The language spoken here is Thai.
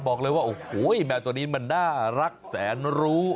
บอกเลยว่าโอ้โหแมวตัวนี้มันน่ารักแสนรู้